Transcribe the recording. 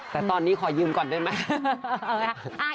แต่ตอนนี้ขอยืมก่อนได้ไหม